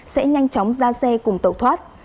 sẽ nhanh chóng ra xe cùng tẩu thoát